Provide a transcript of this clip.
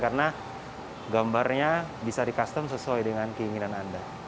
karena gambarnya bisa di custom sesuai dengan keinginan anda